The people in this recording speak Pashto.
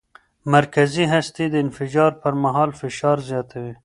مرکزي هستي د انفجار پر مهال فشار زیاتوي.